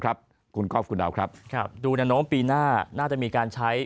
ครับคุณกรอบคุณดาวครับครับดูแนวโน้มปีหน้าน่าจะมีการใช้